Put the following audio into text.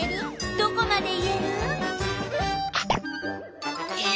どこまで言える？